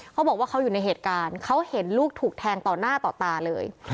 เขาบอกว่าเขาอยู่ในเหตุการณ์เขาเห็นลูกถูกแทงต่อหน้าต่อตาเลย